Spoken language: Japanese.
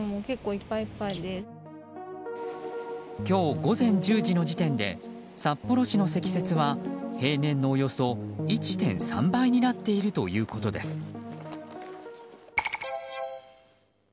今日午前１０時の時点で札幌市の積雪は平年のおよそ１．３倍になっているということです。